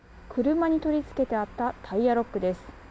車に取り付けてあったタイヤロックです。